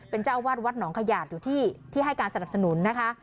เป็นเจ้าอาวาสวัดหนองขยาดอยู่ที่ให้การสนับสนุนนะคะ